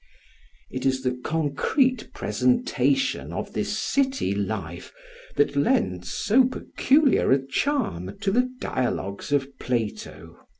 It is the concrete presentation of this city life that lends so peculiar a charm to the dialogues of Plato.